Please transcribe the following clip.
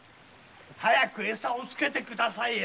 早く餌をつけてください！